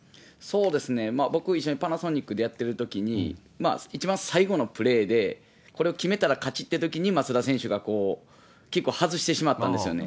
僕、一緒にパナソニックでやってるときに、一番最後のプレーで、これを決めたら勝ちってときに、松田選手がキックを外してしまったんですよね。